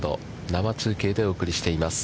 生中継でお送りしています。